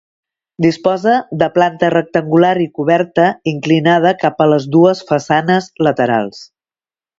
Disposa de planta rectangular i coberta inclinada cap a les dues façanes laterals.